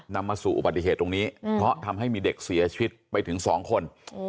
นำมาสู่อุบัติเหตุตรงนี้เพราะทำให้มีเด็กเสียชีวิตไปถึง๒คน